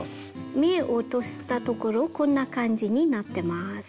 目落としたところこんな感じになってます。